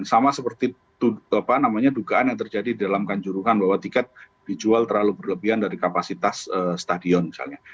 sama seperti dugaan yang terjadi di dalam kanjuruhan bahwa tiket dijual terlalu berlebihan dari kapasitas stadion misalnya